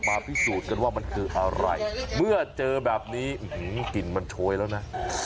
พิสูจน์กันว่ามันคืออะไรเมื่อเจอแบบนี้กลิ่นมันโชยแล้วนะ